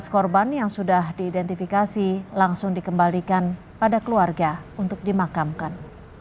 lima belas korban yang sudah diidentifikasi langsung dikembalikan pada keluarga untuk dimakamkan